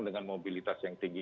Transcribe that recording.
dengan mobilitas yang tinggi